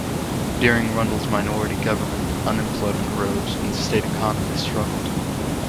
During Rundle's minority government; unemployment rose and the state economy struggled.